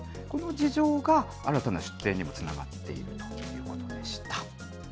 この事情が、新たな出店にもつながっているということでした。